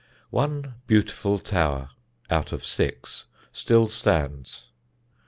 One beautiful tower (out of six) still stands.